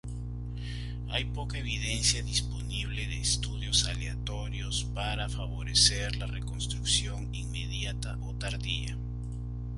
Hay poca evidencia disponible de estudios aleatorios para favorecer la reconstrucción inmediata o tardía.